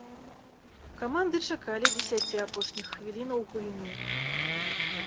Каманды чакалі дзесяці апошніх хвілінаў гульні.